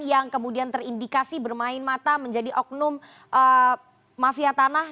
yang kemudian terindikasi bermain mata menjadi oknum mafia tanah